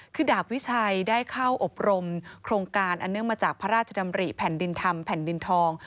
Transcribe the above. คือดาบวิชัยได้เข้าอบรมโครงการอันเนื่องมาจากพระราชดำริแผ่นดินธรรมแผ่นดินทอง